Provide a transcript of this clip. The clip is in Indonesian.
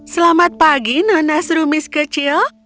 selamat pagi nana serumis kecil